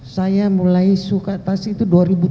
saya mulai suka tas itu dua ribu dua puluh